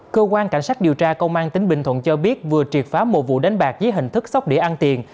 cơ quan cảnh sát điều tra công an tỉnh bình thuận cho biết vừa triệt phá một vụ đánh bạc dưới hình thức sóc đĩa ăn tiền